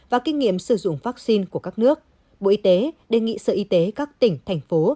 và kinh nghiệm sử dụng vaccine của các nước bộ y tế đề nghị sở y tế các tỉnh thành phố